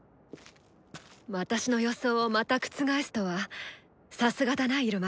私の予想をまた覆すとはさすがだなイルマ。